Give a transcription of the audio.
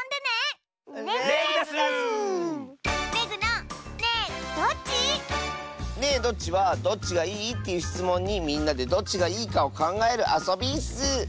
「ねえどっち？」は「どっちがいい？」っていうしつもんにみんなでどっちがいいかをかんがえるあそびッス！